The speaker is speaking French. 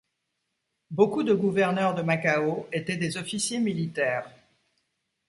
Beaucoup de gouverneurs de Macao étaient des officiers militaires.